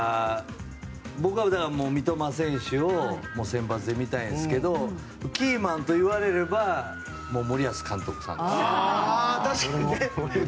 僕は、三笘選手を先発で見たいんですけどキーマンと言われれば森保監督です。